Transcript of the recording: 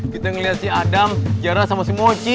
kita ngeliat si adam jarak sama si mochi